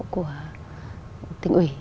của tỉnh ủy